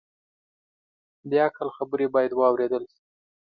د عقل خبرې باید واورېدل شي